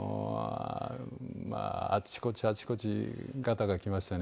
あちこちあちこちガタがきましてね。